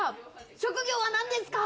職業は何ですか。